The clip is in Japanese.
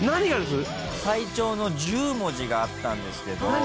最長の１０文字があったんですけど。